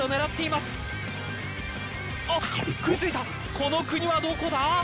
この国はどこだ？